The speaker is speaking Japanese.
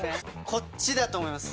こっちだと思います。